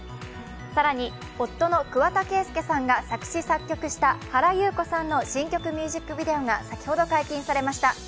更に夫の桑田圭祐さんが作詞作曲した原由子さんの新曲ミュージックビデオが先ほど解禁されました。